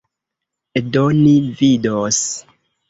Do ni vidos.